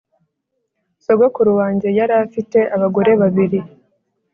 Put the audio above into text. sogokuru wange yari afite abagore babiri